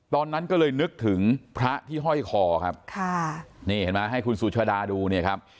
ตอนนั้นก็เลยนึกถึงพระที่ห้อยคอครับค่ะนี่เห็นไหมให้คุณสุชาดาดูเนี่ยครับ